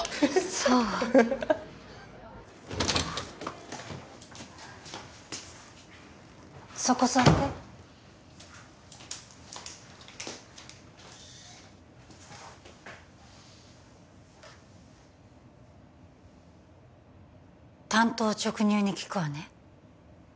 そうそこ座って単刀直入に聞くわね